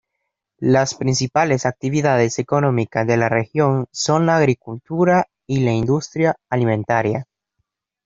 Las principales actividades económicas de la región son la agricultura y la industria alimentaria.